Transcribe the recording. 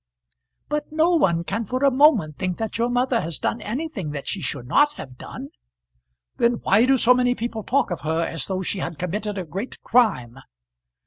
"But no one can for a moment think that your mother has done anything that she should not have done." "Then why do so many people talk of her as though she had committed a great crime?